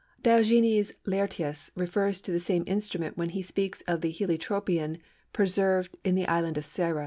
Diogenes Laërtius refers to this same instrument when he speaks of the Heliotropion preserved in the Island of Syra.